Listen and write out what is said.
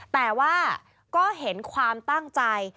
แต่ว่าก็เห็นความตั้งใจ